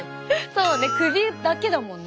そうね首だけだもんね。